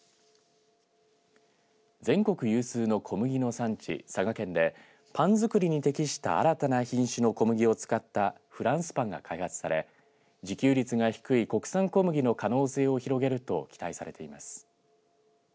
全国有数の小麦の産地、佐賀県でパン作りに適した新たな品種の小麦を使ったフランスパンが開発され自給率が低い国産小麦の可能性を広げると期待されています。